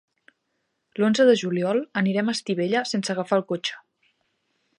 L'onze de juliol anirem a Estivella sense agafar el cotxe.